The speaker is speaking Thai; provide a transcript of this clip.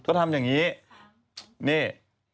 เขาทำอย่างงี้เนี่ย